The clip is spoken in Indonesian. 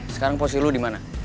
sekarang posisi lu dimana